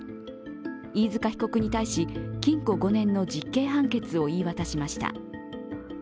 飯塚被告に対し、禁錮５年の実刑判決を言い渡しました。